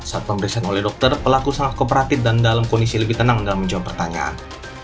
saat pemeriksaan oleh dokter pelaku sangat kooperatif dan dalam kondisi lebih tenang dalam menjawab pertanyaan